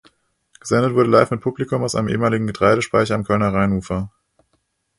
Gesendet wurde live mit Publikum aus einem ehemaligen Getreidespeicher am Kölner Rheinufer.